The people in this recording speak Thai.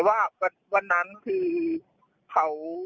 วันนั้นคือ